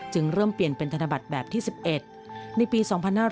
เริ่มเปลี่ยนเป็นธนบัตรแบบที่๑๑ในปี๒๕๕๙